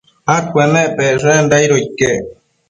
adcuennepecshenda aido iquec